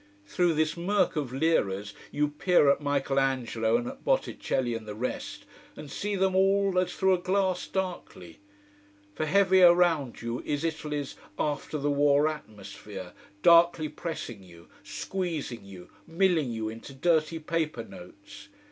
Through this murk of Liras you peer at Michael Angelo and at Botticelli and the rest, and see them all as through a glass, darkly. For heavy around you is Italy's after the war atmosphere, darkly pressing you, squeezing you, milling you into dirty paper notes.